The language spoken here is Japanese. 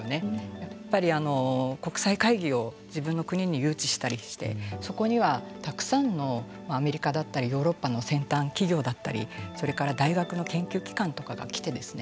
やっぱり国際会議を自分の国に誘致したりしてそこにはたくさんのアメリカだったりヨーロッパの先端企業だったりそれから大学の研究機関とかが来てですね